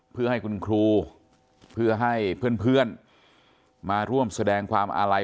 เพื่อให้คุณครูเพื่อให้เพื่อนมาร่วมแสดงความอาลัย